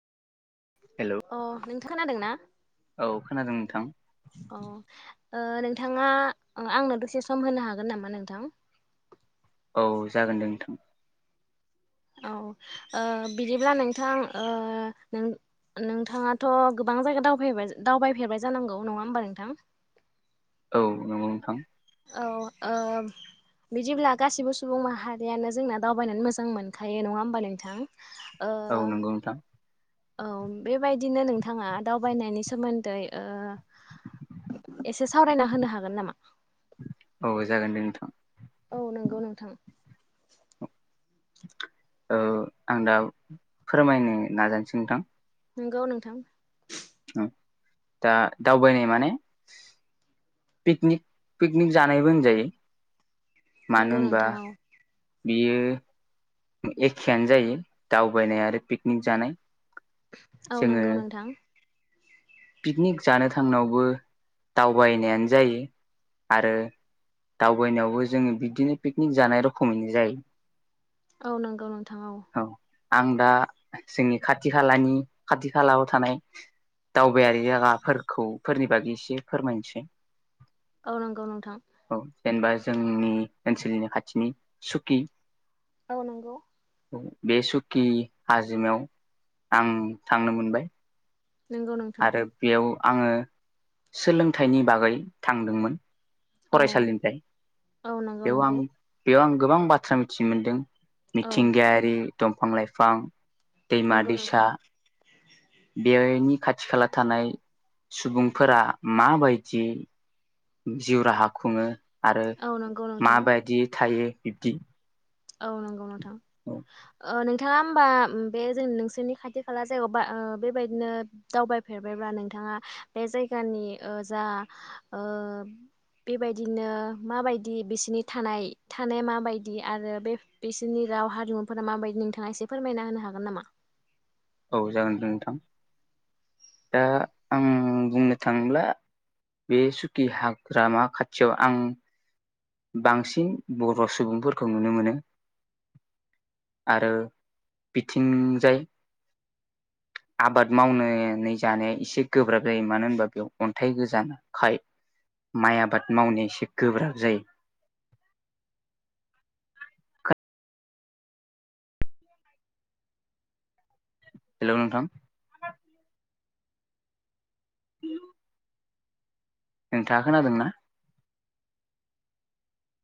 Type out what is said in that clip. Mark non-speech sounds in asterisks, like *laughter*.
Hello अ खोनादोंना? औ खोनादों नोंथां ओ नोंथाङा आंनो दसे सम होनो हागोन नामा नोंथां? औ जागोन दे नोंथां। औ बिदिब्ला नोंथां नों। नोंथाङाथ' गोबां जायगा दावबाय दावबायफेरबाय जानांगौ नङा होमबा नोंथां। औ नंगौ नोंथां। औ ओ बिदिब्ला गासिबो सुबुं माहारियानो जोंना दावबायनानै मोजां मोनखायो नङा होमबा नोंथां। ओ औ नंगौ नोंथां। औ बेबायदिनो नोंथाङा दावबायनायनि सोमोन्दै एसे सावरायना होनो हागोन नामा? औ जागोन दे नोंथां। औ नंगौ नोंथां। आं दा फोरमायनो नाजानोसै नोंथां। नंगौ नोंथां। औ दा दावबायनाय माने पिकनिक पिकनिक जानायबो होनजायो। मानो नंगौ होनबा नोंथां औ। बियो एखेयानो जायो दावबायनाय आरो पिकनिक जानाय औ जोङो नंगौ नोंथां। पिकनिक जानो थांनायावबो दावबायनायानो जायो आरो। दावबायनायावबो जोङो बिदिनो पिकनिक जानाय रखमैनो जायो औ नंगौ नोंथां औ आं दा जोंनि खाथि खालानि खाथि खालायाव थानाय दावबायारि जायगाफोरखौ फोरनि बागै एसे फोरमायनोसै। औ नंगौ नोंथां। औ जेनेबा जोंनि ओनसोलनि खाथिनि सुकि औ नंगौ। बे सुकि हाजिमायाव आं थांनो मोनबाय। नंगौ नोंथां आरो बेयाव आङो सोलोंथाइनि बागै थांदोंमोन। औ फरायसालिनिफ्राय औ नंगौ बेयाव आं नंगौ बेयाव आं गोबां बाथ्रा मिथिनो मोनदों। औ मिथिंगायारि दंफां लाइफां। दैमा नंगौ दैसा नोंथां बेनि खाथि खाला थानाय सुबुंफोरा माबायदि जिउ राहा खुङो आरो औ नंगौ नोंथां माबायदि थायो बिब्दि औ नंगौ नोंथां औ नों नोंथाङा होमबा बे जों नोंसोरनि खाथि खाला जायगायाबा बेबायदिनो दावबायफेरबायब्ला नोंथाङा। बे जायगानि जा बेबायदिनो माबायदि बिसिनि थानाय थानाया माबायदि आरो बे बिसोरनि राव हारिमुफोरा माबायदि नोंथाङा एसे फोरमायना होनो हागोन नामा? औ जागोन दे नोंथां दा आं बुंनो थाङोब्ला। बे सुकि हाग्रामा खाथियाव आं बांसिन बर' सुबुंफोरखौ नुनो मोनो आरो बिथिंजाय *inaudible* आबाद मावनानै जानाया एसे गोब्राब जायो मानो होनबा बेयाव अन्थाइ गोजा खाय माइ आबाद मावनाय एसे गोब्राब जायो हेल' नोंथां औ नोंथाङा खोनादों ना?